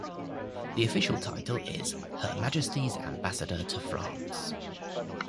The official title is Her Majesty's Ambassador to France.